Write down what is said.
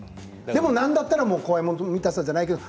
でも何だったら怖いもの見たさじゃないけど。